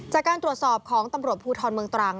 จากการตรวจสอบของตำรวจภูทรเมืองตรัง